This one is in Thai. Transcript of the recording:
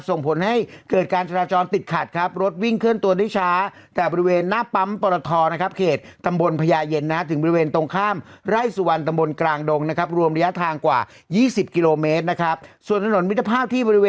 ส่งผลให้เกิดการทราชรติดขัดครับรถวิ่งเคลื่อนตัวได้ช้า